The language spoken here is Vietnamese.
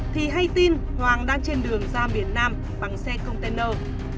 thì hay tin hoàng đang trên đường ra miền nam bằng xe container